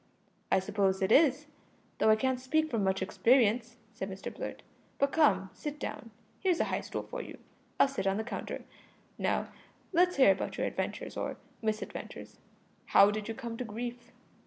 "I suppose it is, though I can't speak from much experience," said Mr Blurt. "But come, sit down. Here's a high stool for you. I'll sit on the counter. Now, let's hear about your adventures or misadventures. How did you come to grief?"